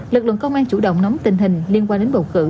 lực lượng công an chủ động nắm tình hình liên quan đến bầu cử